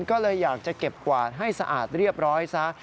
ก็เลยอยากจะเก็บกวาดให้สะอาดเรียบร้อยซะ